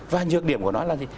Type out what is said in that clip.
và nhược điểm của nó là gì